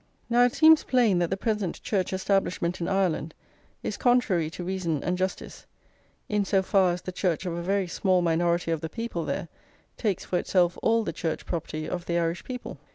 Now it seems plain that the present Church establishment in Ireland is contrary to reason and justice, in so far as the Church of a very small minority of the people there takes for itself all the Church property of the Irish people.